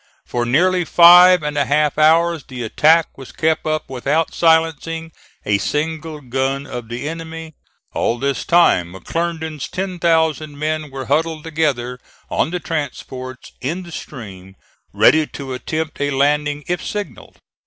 For nearly five and a half hours the attack was kept up without silencing a single gun of the enemy. All this time McClernand's 10,000 men were huddled together on the transports in the stream ready to attempt a landing if signalled.